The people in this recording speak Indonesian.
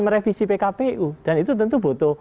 merevisi pkpu dan itu tentu butuh